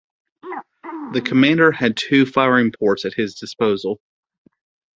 The commander had two firing ports at his disposal.